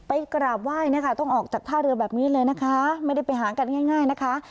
กราบไหว้นะคะต้องออกจากท่าเรือแบบนี้เลยนะคะไม่ได้ไปหากันง่ายนะคะ